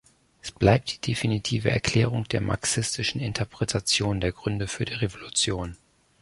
Es bleibt die definitive Erklärung der marxistischen Interpretation der Gründe für die Revolution.